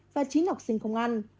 và chín học sinh không ăn